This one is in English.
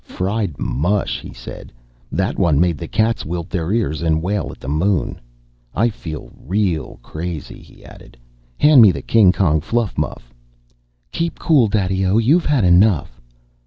"Fried mush," he said. "That one made the cats wilt their ears and wail at the moon. "I feel real crazy," he added. "Hand me the king kong, fluff muff." "Keep cool, Daddy O, you've had enough."